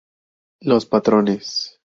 Los patrones.